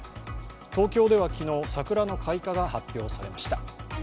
東京では昨日桜の開花が発表されました。